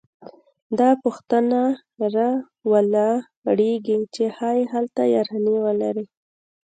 دا پوښتنه راولاړېږي چې ښايي هلته یارانې ولري